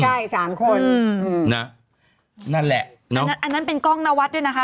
ใช่สามคนอืมนะนั่นแหละอันนั้นเป็นกล้องนวัดด้วยนะคะ